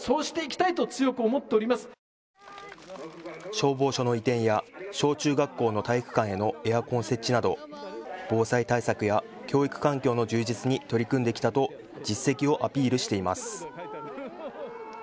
消防署の移転や小中学校の体育館へのエアコン設置など防災対策や教育環境の充実に取り組んできたと実績をアピールしています。